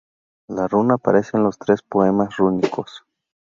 La runa aparece en los tres poemas rúnicos.